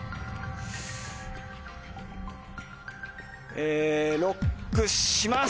えＬＯＣＫします。